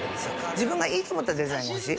自分がいいと思ったデザインが欲しい。